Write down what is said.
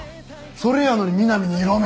それやのにみなみに色目。